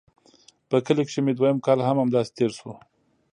په کلي کښې مې دويم کال هم همداسې تېر سو.